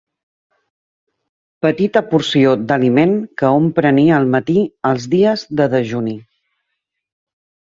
Petita porció d'aliment que hom prenia al matí els dies de dejuni.